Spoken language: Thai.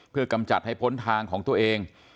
เพื่อกำจัดให้พ้นทางของตัวเอง